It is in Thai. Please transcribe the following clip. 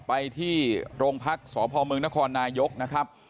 ไปที่โรงพักษ์สพเมืองนครนายกนะครับ